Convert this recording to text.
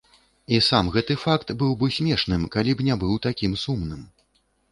І сам гэты факт быў бы смешным, калі б не быў такім сумным.